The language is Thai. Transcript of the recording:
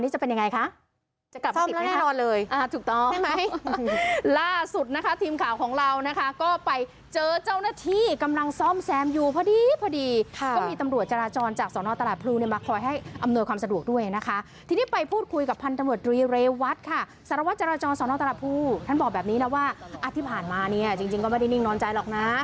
จริงก็ไม่ได้นิ่งนอนใจหรอกนะ